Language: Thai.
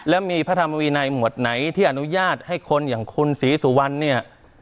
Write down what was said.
และมีพระธรรมวินัยหมวดไหนที่อนุญาตให้คนอย่างคุณศรีสุวรรณเนี่ย